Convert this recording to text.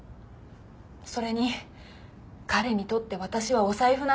それに彼にとって私はお財布なんです。